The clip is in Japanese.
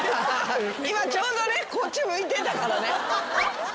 今ちょうどねこっち向いてたからね。